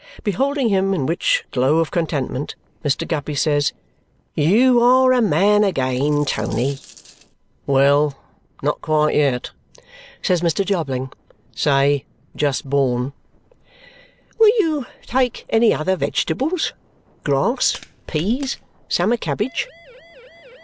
Beholding him in which glow of contentment, Mr. Guppy says, "You are a man again, Tony!" "Well, not quite yet," says Mr. Jobling. "Say, just born." "Will you take any other vegetables? Grass? Peas? Summer cabbage?"